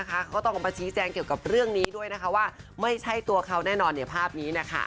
เขาต้องออกมาชี้แจงเกี่ยวกับเรื่องนี้ด้วยนะคะว่าไม่ใช่ตัวเขาแน่นอนภาพนี้